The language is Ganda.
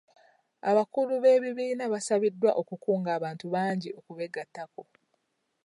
Abakulu b'ebibiina basabiddwa okukunga abantu bangi okubegatako.